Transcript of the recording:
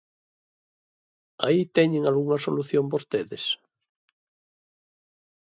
¿Aí teñen algunha solución vostedes?